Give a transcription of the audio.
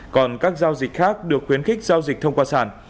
còn các giao dịch khác được khuyến khích giao dịch thông qua sản